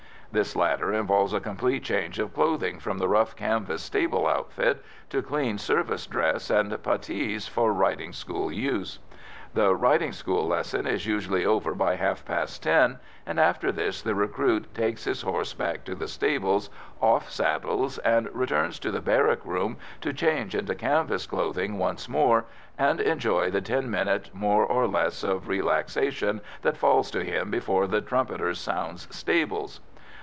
This latter involves a complete change of clothing from the rough canvas stable outfit to clean service dress and putties for riding school use. The riding school lesson is usually over by half past ten, and after this the recruit takes his horse back to the stables, off saddles, and returns to the barrack room to change into canvas clothing once more, and enjoy the ten minutes, more or less, of relaxation that falls to him before the trumpeter sounds "stables."